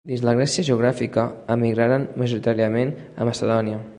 Dins la Grècia geogràfica, emigraren majoritàriament a Macedònia.